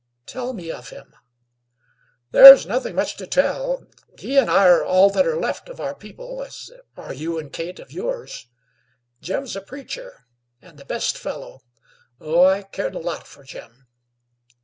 "Tell me of him." "There's nothing much to tell. He and I are all that are left of our people, as are you and Kate of yours. Jim's a preacher, and the best fellow oh! I cared a lot for Jim."